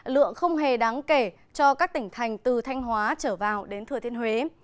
lượng không hề đáng kể cho các tỉnh thành từ thanh hóa trở vào đến thừa thiên huế